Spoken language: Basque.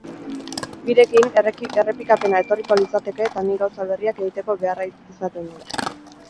Birekin, errepikapena etorriko litzateke eta nik gauza berriak egiteko beharra izaten dut.